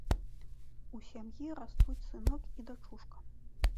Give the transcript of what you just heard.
У сям'і растуць сынок і дачушка.